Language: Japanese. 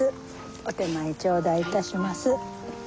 お点前頂戴致します。